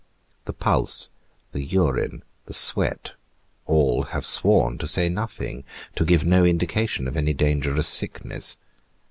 The pulse, the urine, the sweat, all have sworn to say nothing, to give no indication of any dangerous sickness.